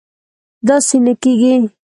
داسې نه کېږي